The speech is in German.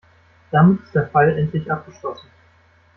Damit ist der Fall endlich abgeschlossen.